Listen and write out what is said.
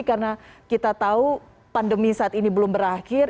karena kita tahu pandemi saat ini belum berakhir